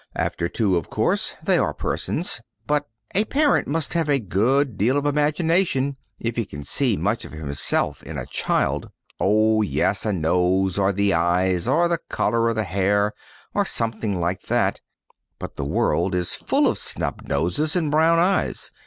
After two, of course, they are persons, but a parent must have a good deal of imagination if he can see much of himself in a child. Oh, yes, a nose or the eyes or the color of the hair or something like that, but the world is full of snub noses and brown eyes.